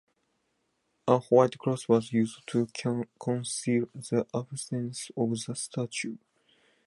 A white cloth was used to conceal the absence of the statue.